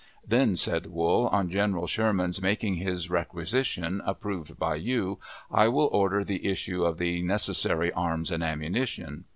"Then," said Wool, "on General Sherman's making his requisition, approved by you, I will order the issue of the necessary arms and ammunition."